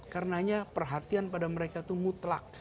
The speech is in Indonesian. karenanya perhatian pada mereka itu mutlak